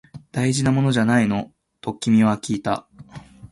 大事なものじゃないの？と君はきいた